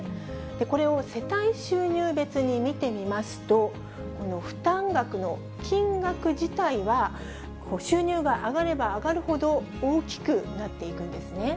これを世帯収入別に見てみますと、この負担額の金額自体は、収入が上がれば上がるほど大きくなっていくんですね。